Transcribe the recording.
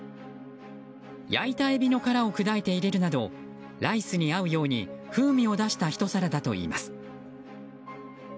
焼いたエビの殻を砕いて入れるなどライスに合うように風味を出した一皿だといいます。